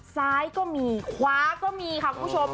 ซ้ายก็มีขวาก็มีค่ะคุณผู้ชม